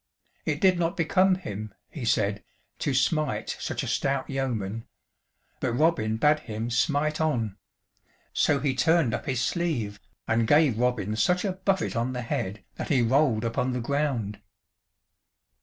"It did not become him," he said, "to smite such a stout yeoman," but Robin bade him smite on; so he turned up his sleeve, and gave Robin such a buffet on the head that he rolled upon the ground.